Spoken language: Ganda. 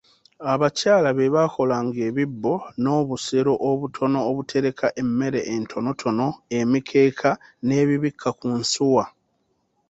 Abakyala bebakolanga ebibbo n'obusero obutono obutereka emmere entonotono, emikeeka, n'ebibikka ku nsuwa